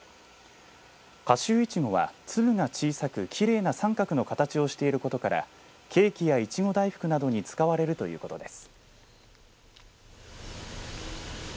夏秋いちごは粒が小さくきれいな三角の形をしていることからケーキやいちご大福などに使われるということです。